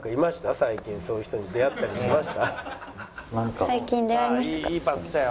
最近そういう人に出会ったりしました？」。